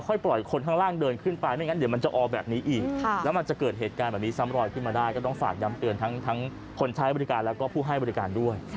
ปล่อยคนข้างล่างเดินขึ้นไปไม่งั้นเดี๋ยวมันจะออกแบบนี้อีกแล้วมันจะเกิดเหตุการณ์แบบนี้ซ้ำรอยขึ้นมาได้ก็ต้องฝากย้ำเตือนทั้งคนใช้บริการแล้วก็ผู้ให้บริการด้วย